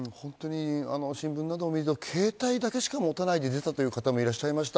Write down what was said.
新聞などを見ると、携帯だけしか持たないで出たという方もいらっしゃいました。